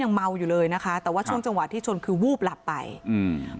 เมาอยู่เลยนะคะแต่ว่าช่วงจังหวะที่ชนคือวูบหลับไปอืม